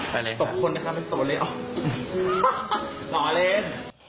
หนอเล่น